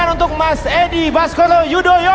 bapak yusril ishamahendra